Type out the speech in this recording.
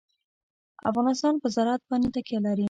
افغانستان په زراعت باندې تکیه لري.